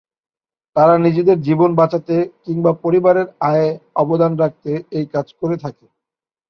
তারা নিজের জীবন বাঁচাতে কিংবা পরিবারের আয়ে অবদান রাখতে এই কাজ করে থাকে।